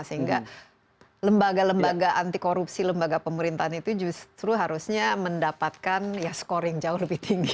sehingga lembaga lembaga anti korupsi lembaga pemerintahan itu justru harusnya mendapatkan skor yang jauh lebih tinggi